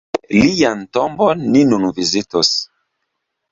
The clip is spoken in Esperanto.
Lian tombon ni nun vizitos.